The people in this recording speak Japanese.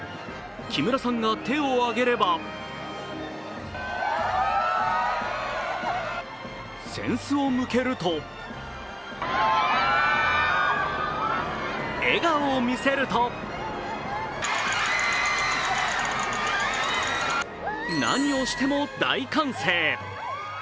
木村さんが手を挙げれば扇子を向けると笑顔を見せると何をしても大歓声。